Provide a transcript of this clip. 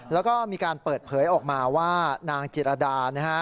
แล้วก็มีการเปิดเผยออกมาว่านางจิรดานะฮะ